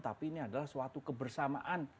tapi ini adalah suatu kebersamaan